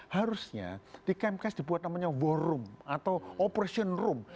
harusnya di kemkes dibuat namanya war room atau operation room